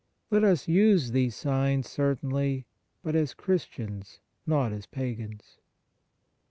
Let us use these signs, certainly, but as Christians, not as pagans.